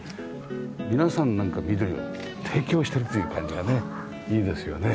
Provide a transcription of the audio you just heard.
皆さんなんか緑を提供してしてるという感じがねいいですよね。